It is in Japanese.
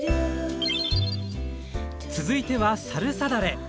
続いてはサルサだれ。